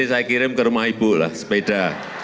saya kirim ke rumah ibu lah sepeda